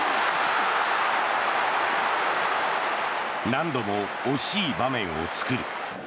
何度も惜しい場面を作る。